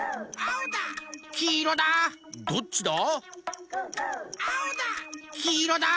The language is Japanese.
「どっちだ？」